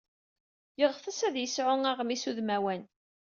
Yeɣtes ad yesɛu aɣmis udmawan.